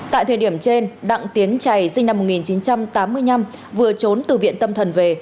tại thời điểm trên đặng tiến chảy sinh năm một nghìn chín trăm tám mươi năm vừa trốn từ viện tâm thần về